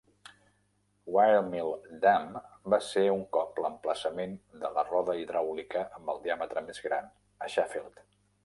Wiremill Dam va ser un cop l'emplaçament de la roda hidràulica amb el diàmetre més gran a Sheffield.